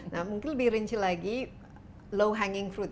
nah mungkin lebih rinci lagi low hanging fruit